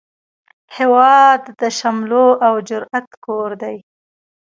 هیواد د شملو او جرئت کور دی